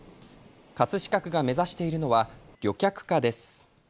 葛飾区が目指しているのは旅客化です。